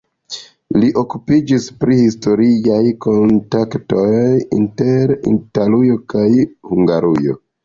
Li okupiĝis pri historiaj kontaktoj inter Italujo kaj Hungarujo.